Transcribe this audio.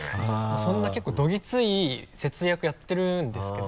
そんな結構どギツい節約やってるんですけど。